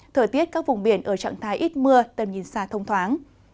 thời tiết các vùng biển ở trạng thái ít mưa tầm nhìn xa thông thoáng